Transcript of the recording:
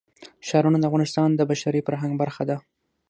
ښارونه د افغانستان د بشري فرهنګ برخه ده.